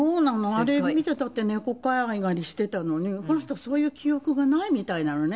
あれ見てたって猫可愛がりしてたのにこの人そういう記憶がないみたいなのね。